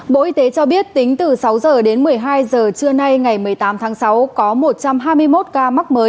bộ y tế cho biết tính từ sáu h đến một mươi hai giờ trưa nay ngày một mươi tám tháng sáu có một trăm hai mươi một ca mắc mới